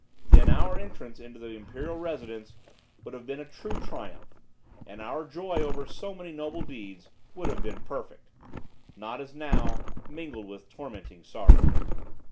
Then our entrance into the imperial residence would have been a true triumph, and our joy over so many noble deeds would have been perfect; not as now, mingled with tormenting sorrow!